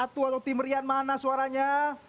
atau tim dua timnya fani mana suaranya